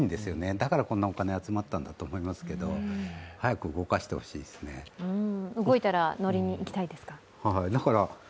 だからこんなにお金集まったと思うんですけど動いたら乗りに行きたいですか？